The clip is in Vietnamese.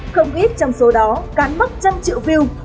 không ít trong số đó cán mốc trăm triệu view